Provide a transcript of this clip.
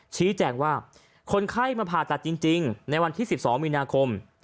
ชี้แจงว่าคนไข้มาผ่าตัดจริงในวันที่๑๒มีนาคม